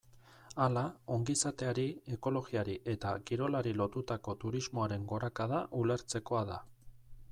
Hala, ongizateari, ekologiari eta kirolari lotutako turismoaren gorakada ulertzekoa da.